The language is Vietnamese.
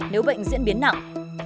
nếu bệnh diễn biến nặng